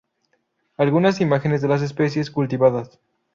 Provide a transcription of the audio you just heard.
Algunas imágenes de las especies cultivadas,